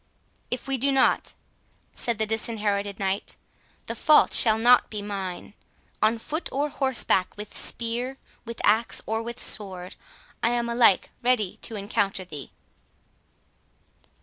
"If we do not," said the Disinherited Knight, "the fault shall not be mine. On foot or horseback, with spear, with axe, or with sword, I am alike ready to encounter thee."